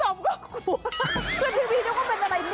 ตอบต่อไปรึเปล่าตกใจตัวเองลืมอยู่กันหน้าจริง